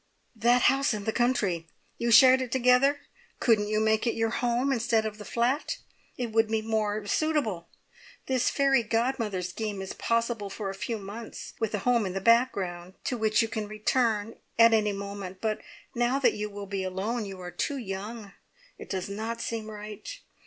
"That house in the country! You shared it together? Couldn't you make it your home instead of the flat? It would be more suitable. This fairy godmother scheme is possible for a few months, with a home in the background, to which you can return at any moment, but now that you will be alone, you are too young. It does not seem right.